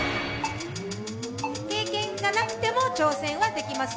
経験がなくても挑戦はできます。